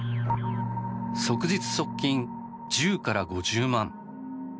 即日即金１０から５０万。